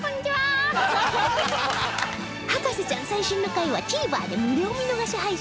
『博士ちゃん』最新の回は ＴＶｅｒ で無料見逃し配信